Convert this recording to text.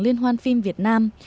liên hoan phim việt nam